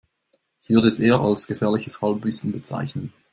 Ich würde es eher als gefährliches Halbwissen bezeichnen.